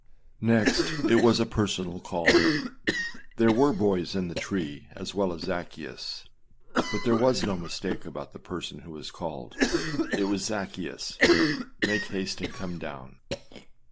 2. Next it was a personal call. There were boys in the tree as well as Zaccheus but there was no mistake about the person who was called. It was, â Zaccheus , make haste and come down.